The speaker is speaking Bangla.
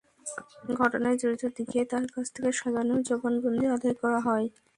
ঘটনায় জড়িত দেখিয়ে তাঁর কাছ থেকে সাজানো জবানবন্দি আদায় করা হয়।